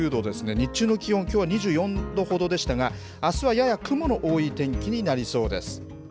日中の気温、きょうは２４度ほどでしたが、あすはやや雲の多い天気になりそうです。